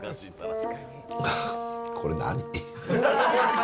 これ何？